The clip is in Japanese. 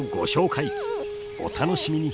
お楽しみに！